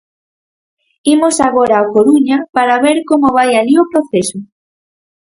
Imos agora á Coruña para ver como vai alí o proceso.